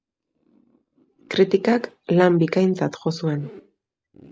Kritikak lan bikaintzat jo zuen.